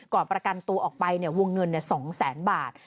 ประกันตัวออกไปวงเงิน๒แสนบาท